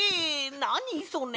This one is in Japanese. なにそれ！